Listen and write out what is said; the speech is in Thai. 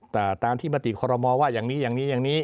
แต่ตามที่มติคอรมอว่าอย่างนี้อย่างนี้อย่างนี้